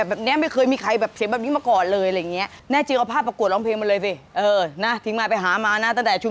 เอาไปไปเลื่อยเอาโหนกออกอะไรอย่างนี้